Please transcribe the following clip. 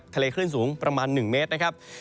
ทะเลขึ้นสูงประมาณ๑เมตร